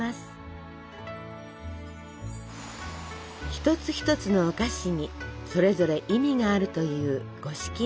一つ一つのお菓子にそれぞれ意味があるという五色生菓子。